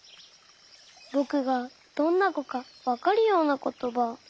ぼくがどんなこかわかるようなことば。